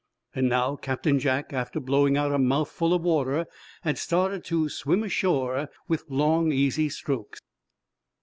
And now, Captain Jack, after blowing out a mouthful of water, had started to swim ashore with long, easy strokes.